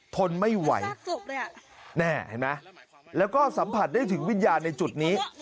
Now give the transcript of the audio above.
ทนไม่ไหวแน่เห็นไหมแล้วก็สัมผัสได้ถึงวิญญาณในจุดนี้